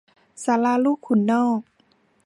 ศาลาลูกขุนนอก